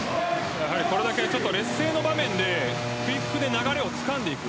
これだけ劣勢な場面でクイックで流れをつかんでいく。